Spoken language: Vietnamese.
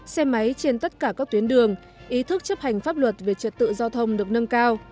xe máy trên tất cả các tuyến đường ý thức chấp hành pháp luật về trật tự giao thông được nâng cao